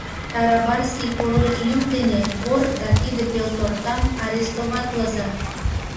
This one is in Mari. — Тарабарский король лӱм дене вор да тиде пелтортам арестоватлыза!